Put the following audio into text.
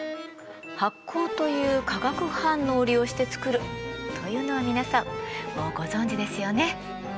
発酵という化学反応を利用して作るというのは皆さんもうご存じですよね？